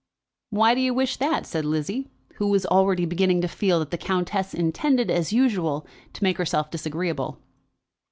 "Why do you wish that?" said Lizzie, who already was beginning to feel that the countess intended, as usual, to make herself disagreeable.